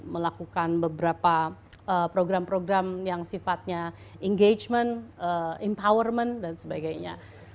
melakukan beberapa program program yang sifatnya engagement empowerment dan sebagainya